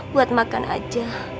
buat makan aja